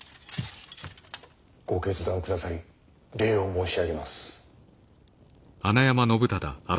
ご決断くださり礼を申し上げます。